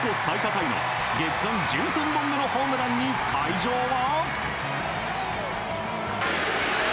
タイの月間１３本目のホームランに会場は。